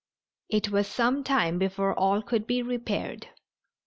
It was some time before all could be repaired.